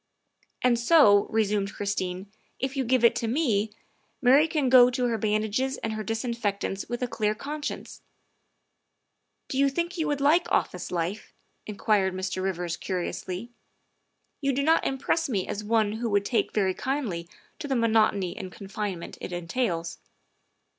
"And so," resumed Christine, " if you give it to me, Mary can go to her bandages and her disinfectants with a clear conscience. ''" Do you think you would like office life?" inquired Mr. Rivers curiously. " You do not impress me as one who would take very kindly to the monotony and con finement it entails."